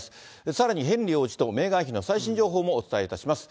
さらにヘンリー王子とメーガン妃の最新情報もお伝えいたします。